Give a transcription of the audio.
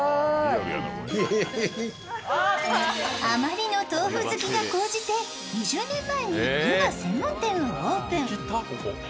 あまりの豆腐好きが高じて２０年前に湯葉専門店をオープン。